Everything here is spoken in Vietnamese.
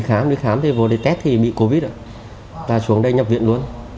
hết thì bị covid ta xuống đây nhập viện luôn